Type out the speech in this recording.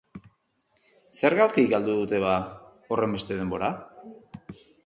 Zergatik galdu dute, bada, horrenbeste denbora?